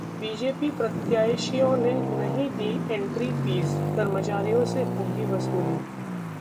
BJP प्रत्याशियों ने नहीं दी एंट्री फीस, कर्मचारियों से होगी वसूली